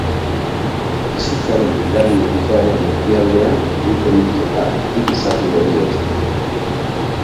Bizitzaren bigarren urtearen erdialdean egiten dute bat hiru zati horiek.